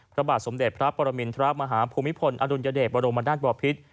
พระบาทสมเด็จพระปรมินทรมาฮภูมิพลอดุลยเดชบรมนาศบอพิษ